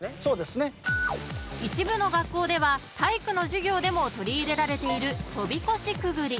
［一部の学校では体育の授業でも取り入れられている跳び越しくぐり］